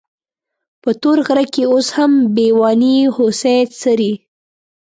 په تور غره کې اوس هم بېواني هوسۍ څري.